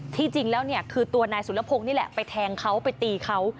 จริงแล้วเนี่ยคือตัวนายสุรพงศ์นี่แหละไปแทงเขาไปตีเขา